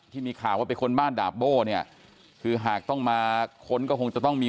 ที่มีข่าวว่าไปค้นบ้านดาบโบ้เนี่ยคือหากต้องมาค้นก็คงจะต้องมี